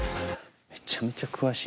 めちゃめちゃ詳しい。